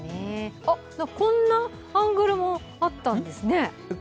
こんなアングルもあったんですね。